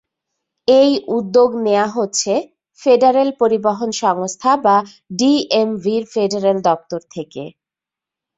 এই উদ্যোগ নেওয়া হচ্ছে ফেডারেল পরিবহন সংস্থা বা ডিএমভির ফেডারেল দপ্তর থেকে।